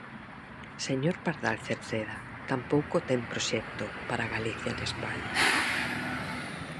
Señor Pardal Cerceda, tampouco ten proxecto para Galicia en España.